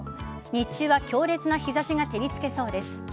日中は強烈な日差しが照りつけそうです。